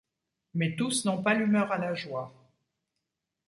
Mais tous n'ont pas l'humeur à la joie.